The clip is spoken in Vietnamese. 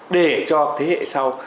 để cho thế hệ sau